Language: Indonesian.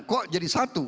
kok jadi satu